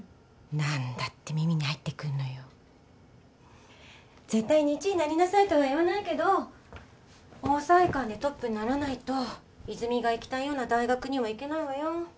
何だって耳に入ってくるのよ絶対に１位なりなさいとは言わないけど桜彩館でトップにならないと泉が行きたいような大学には行けないわよ